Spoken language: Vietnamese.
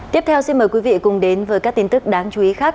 tiếp theo xin mời quý vị cùng đến với các tin tức đáng chú ý khác